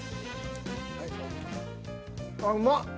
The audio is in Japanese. あっうまっ。